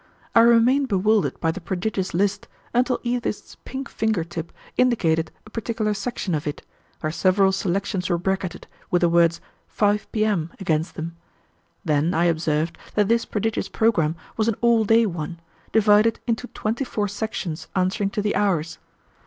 I remained bewildered by the prodigious list until Edith's pink finger tip indicated a particular section of it, where several selections were bracketed, with the words "5 P.M." against them; then I observed that this prodigious programme was an all day one, divided into twenty four sections answering to the hours.